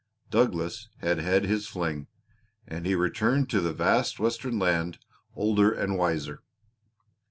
Douglas had had his fling, and he returned to the vast Western land older and wiser.